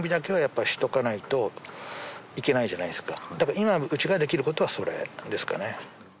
今うちができることはそれですかね。